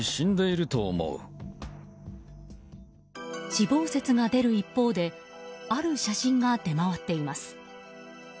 死亡説が出る一方である写真が出回っています。